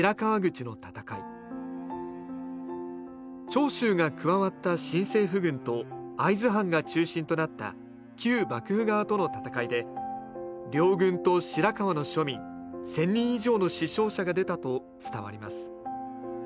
長州が加わった新政府軍と会津藩が中心となった旧幕府側との戦いで両軍と白河の庶民１，０００人以上の死傷者が出たと伝わります。